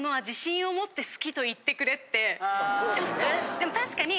でも確かに。